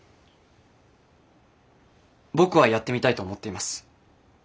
僕はやってみたいと思っています。